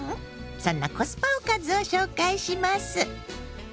そんなコスパおかずを紹介します。